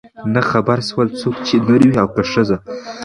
نه خبر سول څوک چي نر وې او که ښځه